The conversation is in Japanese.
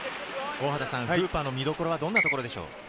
フーパーの見どころはどんなところでしょう？